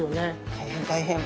大変大変。